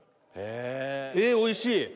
えおいしい！